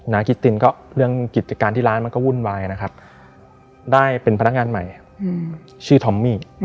กิตตินก็เรื่องกิจการที่ร้านมันก็วุ่นวายนะครับได้เป็นพนักงานใหม่ชื่อทอมมี่